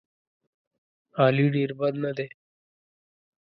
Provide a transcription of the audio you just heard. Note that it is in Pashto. علي ډېر بد نه دی.